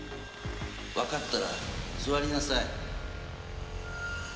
分かったら座りなさい。